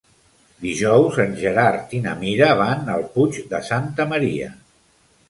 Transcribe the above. Dijous en Gerard i na Mira van al Puig de Santa Maria.